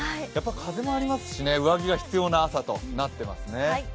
風もありますし上着が必要な朝となってますね。